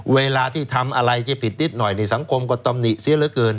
เวลาที่ทำอะไรที่ผิดนิดหน่อยในสังคมก็ตำหนิเสียเหลือเกิน